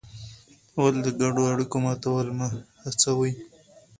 ولې د ګډو اړیکو ماتول مه هڅوې؟